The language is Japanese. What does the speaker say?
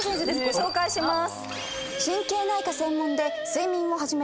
ご紹介します。